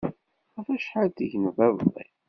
Ɣef acḥal tegneḍ iḍelli?